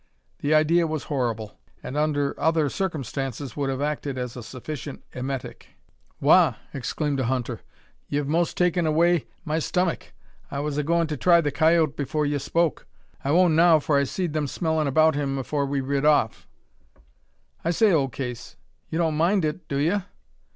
The idea was horrible, and under other circumstances would have acted as a sufficient emetic. "Wagh!" exclaimed a hunter; "ye've most taken away my stammuck. I was a goin' to try the coyoat afore ye spoke. I won't now, for I seed them smellin' about him afore we rid off." "I say, old case, you don't mind it, do ye?"